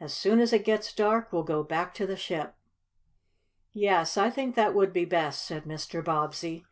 As soon as it gets dark we'll go back to the ship." "Yes, I think that would be best," said Mr. Bobbsey.